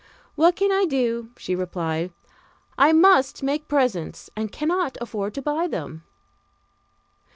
"What can I do?" she replied, "I must make presents and cannot afford to buy them."